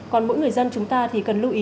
còn mỗi người dân chúng ta thì cần lưu ý